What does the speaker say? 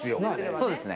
そうですね。